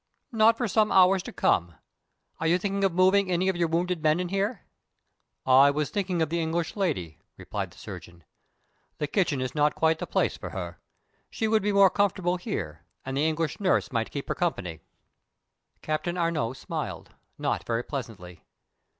"Not for some hours to come. Are you thinking of moving any of your wounded men in here?" "I was thinking of the English lady," answered the surgeon. "The kitchen is not quite the place for her. She would be more comfortable here; and the English nurse might keep her company." Captain Arnault smiled, not very pleasantly.